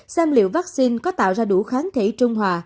xem liệu vaccine có tạo ra đủ kháng thể trung hòa